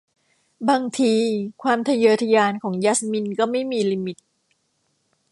บางทีความทะเยอทะยานของยัสมินก็ไม่มีลิมิต